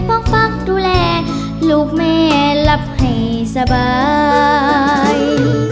ฟังฟังดูแลลูกแม่รับให้สบาย